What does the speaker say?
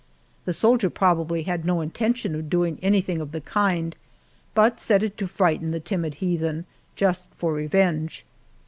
The soldier probably had no intention of doing anything of the kind, but said it to frighten the timid heathen, just for revenge.